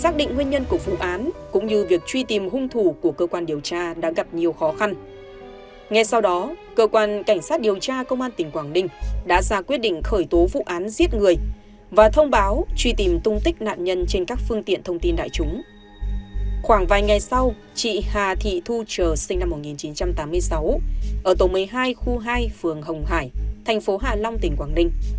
khoảng vài ngày sau chị hà thị thu trờ sinh năm một nghìn chín trăm tám mươi sáu ở tổng một mươi hai khu hai phường hồng hải thành phố hạ long tỉnh quảng ninh